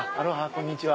こんにちは。